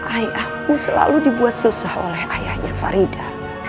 ayahmu selalu dibuat susah oleh ayahnya farida